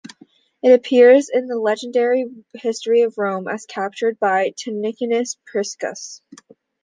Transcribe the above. It appears in the legendary history of Rome as captured by Tarquinius Priscus.